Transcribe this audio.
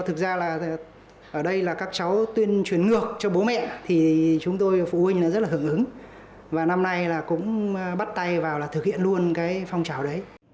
thực ra là ở đây là các cháu tuyên truyền ngược cho bố mẹ thì chúng tôi phụ huynh rất là hưởng ứng và năm nay là cũng bắt tay vào là thực hiện luôn cái phong trào đấy